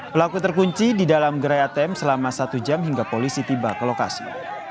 pelaku terkunci di dalam gerai atm selama satu jam hingga polisi tiba ke lokasi